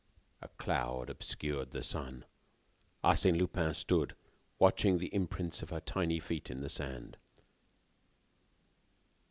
A cloud obscured the sun. Arsène Lupin stood watching the imprints of her tiny feet in the sand.